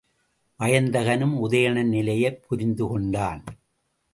வயந்தகனும் உதயணன் நிலையைப் புரிந்துகொண்டான்.